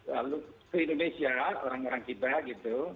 lalu ke indonesia orang orang kita gitu